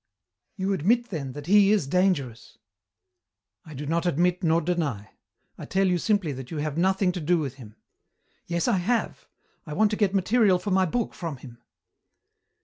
"You admit, then, that he is dangerous?" "I do not admit nor deny. I tell you simply that you have nothing to do with him." "Yes I have. I want to get material for my book from him."